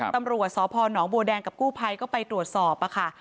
ตำรวจสพนบัวแดงกับกู้ภัยก็ไปตรวจสอบค่ะ